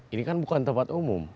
ini kan bukan tempat umum